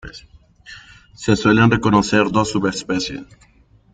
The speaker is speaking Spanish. Se suelen reconocer dos subespecies.